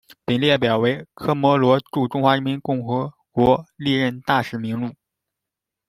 本列表为科摩罗驻中华人民共和国历任大使名录。